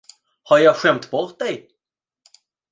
Har jag skämt bort dig?